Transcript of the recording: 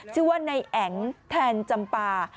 ชื่อว่านายแอ๋งแทนจำปา